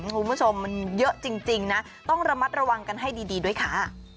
คุณผู้ชมมันเยอะจริงนะต้องระมัดระวังกันให้ดีด้วยค่ะ